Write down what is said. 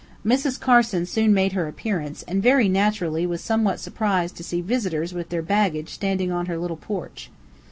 Mrs. Carson soon made her appearance, and, very naturally, was somewhat surprised to see visitors with their baggage standing on her little porch.